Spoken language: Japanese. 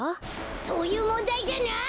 そういうもんだいじゃない！